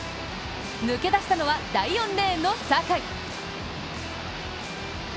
抜け出したのは第４レーンの坂井。